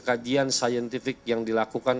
kajian saintifik yang dilakukan